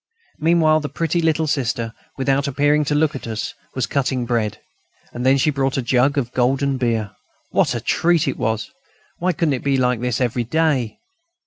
Meanwhile the pretty little Sister, without appearing to look at us, was cutting bread, and then she brought a jug of golden beer. What a treat it was! Why couldn't it be like this every day?